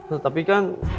nah tapi kan